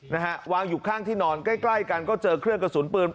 นะฮะวางอยู่ข้างที่นอนใกล้ใกล้กันก็เจอเครื่องกระสุนปืน